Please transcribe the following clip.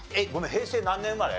平成何年生まれ？